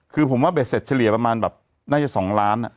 คือผมว่าเบสเศรษฐ์เฉลี่ยประมาณแบบน่าจะสองล้านอ่ะ